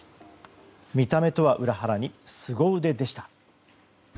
見た目とは裏腹にスゴ腕でした。